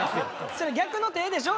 それ逆の手でしょ？